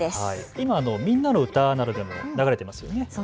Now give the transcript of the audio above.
今みんなのうたなどでも流れていますよね。